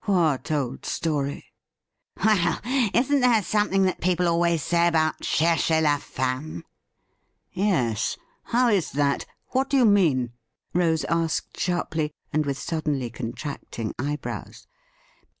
' What old story ?' 'Well, isn't there something that people always say about cherchez lajhnme ?' Yes. How is that ? What do you mean ?' Rose asked sharply, and with suddenly contracting eyebrows.